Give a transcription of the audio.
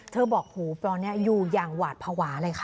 บอกหูตอนนี้อยู่อย่างหวาดภาวะเลยค่ะ